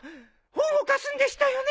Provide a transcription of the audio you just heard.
本を貸すんでしたよね。